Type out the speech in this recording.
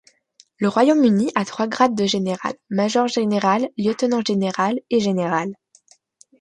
Le Royaume-Uni à trois grades de général: major général, lieutenant général et général.